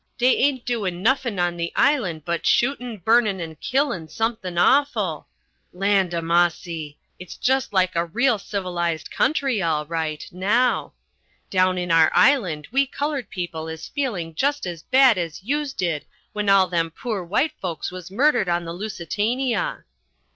Dey ain't doin' nuffin' on the island but shootin', burnin', and killin' somethin' awful. Lawd a massy! it's just like a real civilised country, all right, now. Down in our island we coloured people is feeling just as bad as youse did when all them poor white folks was murdered on the _Lusitania!